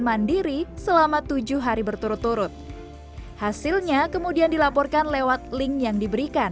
mandiri selama tujuh hari berturut turut hasilnya kemudian dilaporkan lewat link yang diberikan